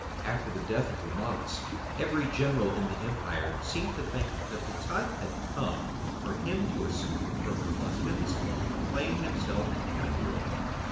After the death of Romanus, every general in the empire seemed to think that the time had come for him to assume the purple buskins and proclaim himself emperor.